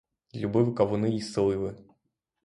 Любив кавуни й сливи.